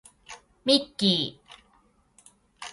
ミッキー